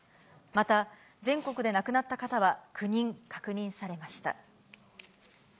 また全国で亡くなった方は９人確認されました。